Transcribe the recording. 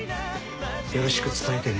よろしく伝えてね。